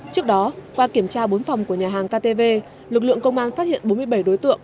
trước đó qua kiểm tra bốn phòng của nhà hàng ktv lực lượng công an phát hiện bốn mươi bảy đối tượng